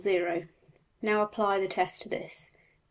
\] Now apply the test to this.